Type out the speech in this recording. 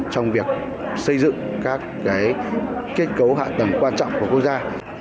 trong việc xây dựng các kết cấu hạ tầng quan trọng của quốc gia